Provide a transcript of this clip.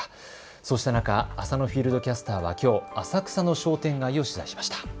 そうした中、浅野フィールドキャスターはきょう浅草の商店街を取材しました。